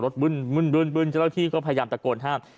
เสียงรถบึ้นจราวที่ก็พยายามตะโกนห้าม